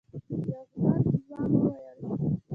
يو غبرګ ځوان وويل.